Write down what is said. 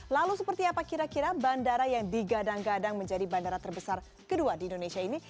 lalu seperti apa kira kira bandara yang digadang gadang menjadi bandara terbesar kedua di indonesia ini